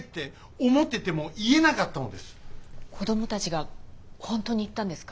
子供たちが本当に言ったんですか？